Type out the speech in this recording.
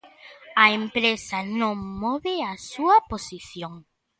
A empresa non move a súa posición.